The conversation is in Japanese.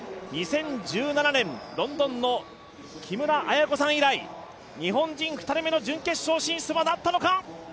２０１７年ロンドンの木村文子さん以来、日本人２人目の準決勝進出となったのか。